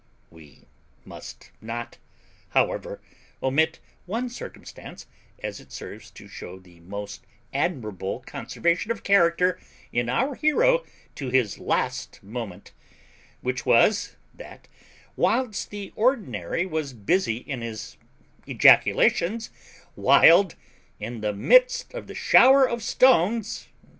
We must not, however, omit one circumstance, as it serves to shew the most admirable conservation of character in our hero to his last moment, which was, that, whilst the ordinary was busy in his ejaculations, Wild, in the midst of the shower of stones, &c.